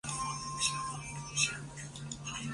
特里试着成为派对的核心人物。